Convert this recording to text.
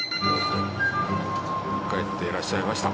帰っていらっしゃいました。